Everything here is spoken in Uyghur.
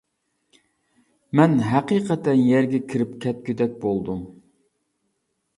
مەن ھەقىقەتەن يەرگە كىرىپ كەتكۈدەك بولدۇم.